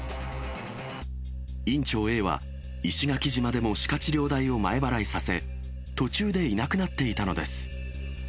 院長Ａは、石垣島でも歯科治療代を前払いさせ、途中でいなくなっていたのです。